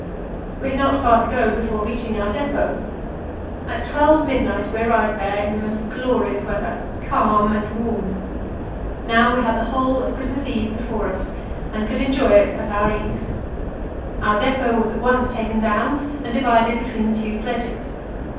We had not far to go before reaching our depot. At 12 midnight we arrived there in the most glorious weather, calm and warm. Now we had the whole of Christmas Eve before us, and could enjoy it at our ease. Our depot was at once taken down and divided between the two sledges.